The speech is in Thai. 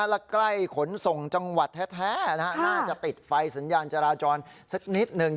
และใกล้ขนส่งจังหวัดแท้น่าจะติดไฟสัญญาณจราจรสักนิดหนึ่ง